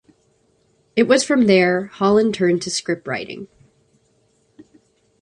It was from there, Holland turned to scriptwriting.